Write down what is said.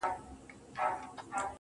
څه عجيب شاني مثال د چا د ياد~